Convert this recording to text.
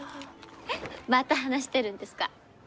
また話してるんですか？